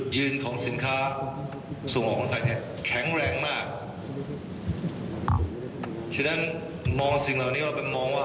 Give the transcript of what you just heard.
เราจะวิ่งเต็มที่ไม่มีการปรับรับเปล่า